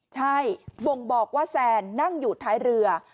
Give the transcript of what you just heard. ใช่บ่งบอกว่าแซนนั่งอยู่ท้ายเรือ